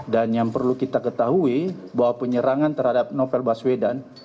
dan yang perlu kita ketahui bahwa penyerangan terhadap novel baswedan